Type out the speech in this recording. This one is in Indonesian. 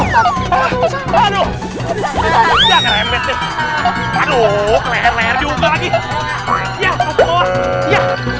bapak ini dibantuin